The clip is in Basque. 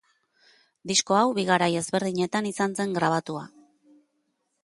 Disko hau bi garai ezberdinetan izan zen grabatua.